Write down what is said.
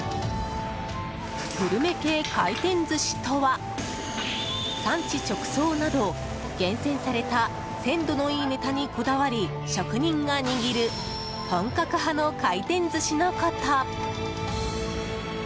グルメ系回転寿司とは産地直送など、厳選された鮮度のいいネタにこだわり職人が握る本格派の回転寿司のこと。